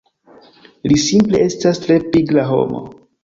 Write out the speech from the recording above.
Li simple estas tre pigra homo